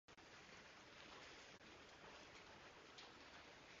Most schools of Buddhism have also held that the Buddha was omniscient.